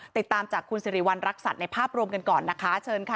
ติดตามจากคุณสิริวัณรักษัตริย์ในภาพรวมกันก่อนนะคะเชิญค่ะ